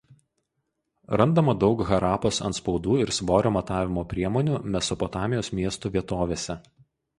Randama daug Harapos antspaudų ir svorio matavimo priemonių Mesopotamijos miestų vietovėse.